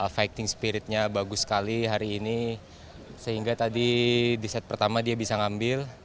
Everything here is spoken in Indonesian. fighting spiritnya bagus sekali hari ini sehingga tadi di set pertama dia bisa ngambil